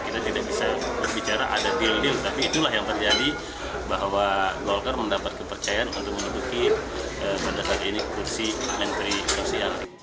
kita tidak bisa berbicara ada deal deal tapi itulah yang terjadi bahwa golkar mendapat kepercayaan untuk menuduki pada saat ini kursi menteri sosial